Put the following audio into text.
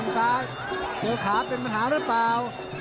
โดยขาเดี๋ยวขาเป็นปัญหาหรือเปล่า